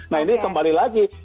nah ini kembali lagi